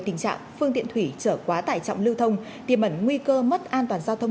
tình trạng phương tiện thủy trở quá tải trọng lưu thông tiềm ẩn nguy cơ mất an toàn giao thông